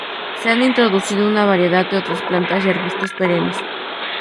Se han introducido una variedad de otras plantas y arbustos perennes.